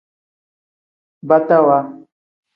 Batawa.